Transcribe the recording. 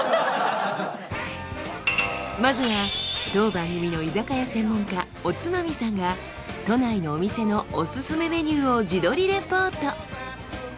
まずは当番組の居酒屋専門家おつまみさんが都内のお店のオススメメニューを自撮りレポート。